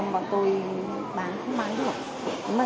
mà tôi bán không bán được